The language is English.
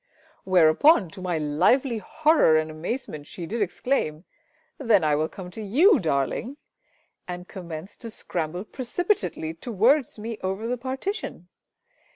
Whereupon to my lively horror and amazement, she did exclaim, "Then I will come to you, darling!" and commenced to scramble precipitately towards me over the partition!